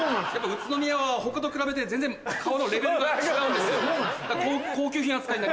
宇都宮は他と比べて全然皮のレベルが違うんですよ。